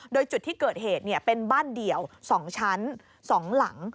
โดยจุดที่เกิดเหตุเป็นบ้านเดี่ยว๒ชั้น๒หลัง